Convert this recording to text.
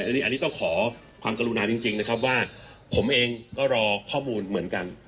อันนี้ต้องขอความกรุณาจริงนะครับว่าผมเองก็รอข้อมูลเหมือนกัน